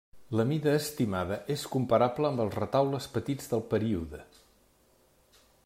La mida estimada és comparable amb els retaules petits del període.